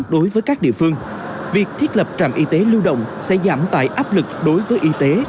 đối với các địa phương việc thiết lập trạm y tế lưu động sẽ giảm tải áp lực đối với y tế